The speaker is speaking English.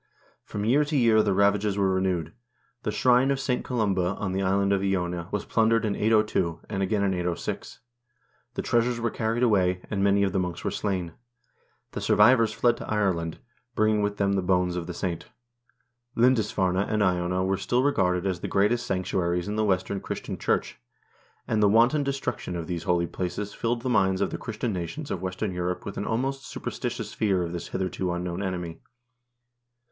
From year to year the ravages were renewed. The shrine of St. Columba in the island of Iona was plundered in 802, and again in 806. The treasures were carried away, and many of the monks were slain. The survivors fled to Ireland, bringing with them the bones of the saint. Lindisf arne and Iona were still regarded as the greatest sanctuaries in the western Christian Church, and the wanton destruction of these holy places filled the minds of the Christian nations of western Europe with an almost superstitious fear of this hitherto unknown enemy.